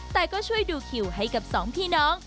แต่ก็ช่วยดูคิวให้กับสองพี่น้อง